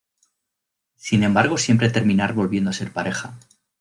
Sin embargo siempre terminar volviendo a ser pareja.